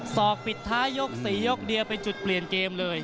อกปิดท้ายยก๔ยกเดียวเป็นจุดเปลี่ยนเกมเลย